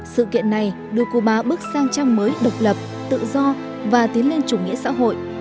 sự kiện này đưa cuba bước sang trang mới độc lập tự do và tiến lên chủ nghĩa xã hội